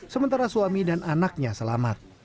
sementara suami dan anaknya selamat